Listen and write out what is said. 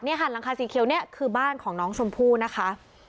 หันหลังคาสีเขียวเนี่ยคือบ้านของน้องชมพู่นะคะ